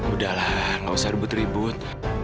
udahlah nggak usah ribut ribut